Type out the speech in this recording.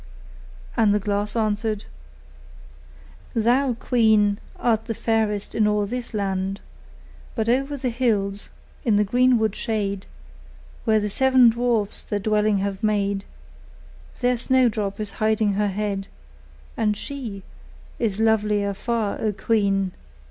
And the glass answered: 'Thou, queen, art the fairest in all this land: But over the hills, in the greenwood shade, Where the seven dwarfs their dwelling have made, There Snowdrop is hiding her head; and she Is lovelier far, O queen!